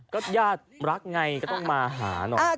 ก็ญาติรักไงก็ต้องมาหาหน่อย